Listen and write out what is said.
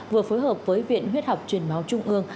vừa phối hợp với viện huyết học truyền máu trung ương